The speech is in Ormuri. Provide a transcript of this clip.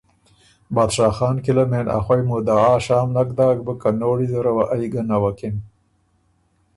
بادشاه خان کی له مېن ا خوئ مدعا شام نک داک بُک که نوړي زره وه ائ ګۀ نوکِن۔